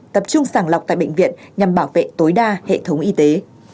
tập trung sàng lọc tại bệnh viện nhằm bảo vệ tối đa hệ thống y tế